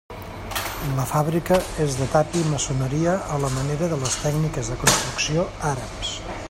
La fàbrica és de tàpia i maçoneria a la manera de les tècniques de construcció àrabs.